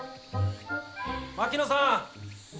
・槙野さん！